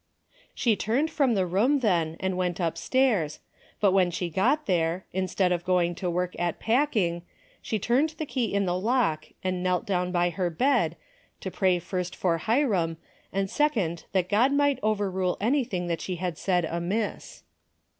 She turned from the room then and went upstairs, but when she got there, instead of going to work at packing, she turned the key in the lock and knelt down by her bed, to pray first for Hiram, and second that God might overrule anything that she had said amiss.